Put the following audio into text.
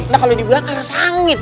nah kalau dibuang kan sangit